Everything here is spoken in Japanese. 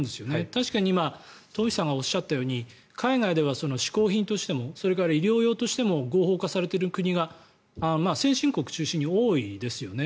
確かに今、東輝さんがおっしゃったように海外では嗜好品としても医療用としても合法化されている国が先進国中心に多いですよね。